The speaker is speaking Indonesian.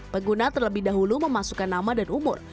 pengguna terlebih dahulu memasukkan nama dan umur